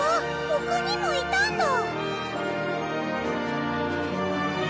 ほかにもいたんだ！